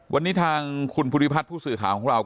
วันนี้ทางคุณภูริพัฒน์ผู้สื่อข่าวของเรา